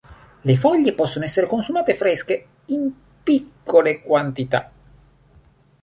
Le foglie possono essere consumate fresche in piccole quantità.